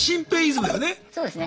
そうですね。